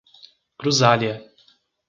Cruzália